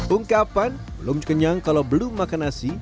ungkapan belum kenyang kalau belum makan nasi